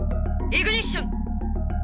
イグニッション！」。